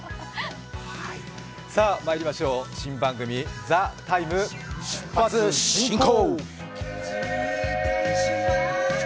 さあ、まいりましょう、新番組「ＴＨＥＴＩＭＥ，」出発進行！